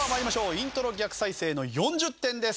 イントロ逆再生の４０点です。